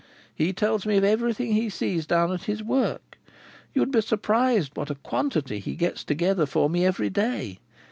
He tells me of everything he sees down at his work. You would be surprised what a quantity he gets together for me every day.